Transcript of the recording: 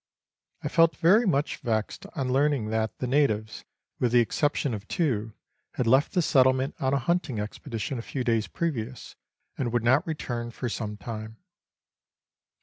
I felt very much vexed on learning that the natives, with the exception of two, had left the settlement on a hunting expedition a few days previous, and would not return for some time.